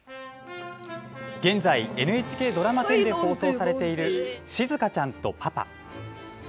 現在、ＮＨＫドラマ１０で放送されている「しずかちゃんとパパ」。